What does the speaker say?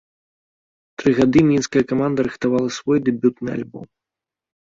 Тры гады мінская каманда рыхтавала свой дэбютны альбом.